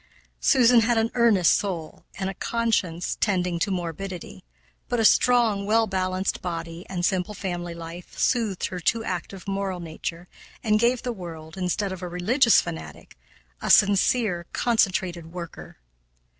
Susan had an earnest soul and a conscience tending to morbidity; but a strong, well balanced body and simple family life soothed her too active moral nature and gave the world, instead of a religious fanatic, a sincere, concentrated worker.